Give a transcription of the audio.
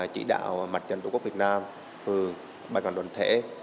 chỉ đạo mạch trận tổ quốc việt nam phường bàn toàn đoàn thể